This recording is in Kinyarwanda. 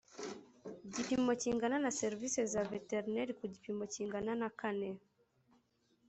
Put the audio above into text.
gipimo kingana na serivisi za veterineri ku gipimo kingana na kane